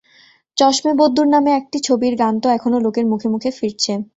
চশমে বদ্দুর নামে একটি ছবির গান তো এখনো লোকের মুখে মুখে ফিরছে।